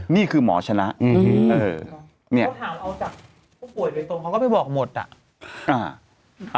นี่คือหมอชนะเนี่ยเขาถามเขาจากผู้ป่วยโดยตรงเขาก็ไปบอกหมดอ่ะ